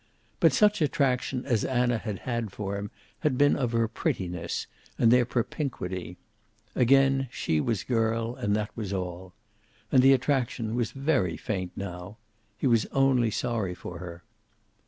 But such attraction as Anna had had for him had been of her prettiness, and their propinquity. Again she was girl, and that was all. And the attraction was very faint now. He was only sorry for her.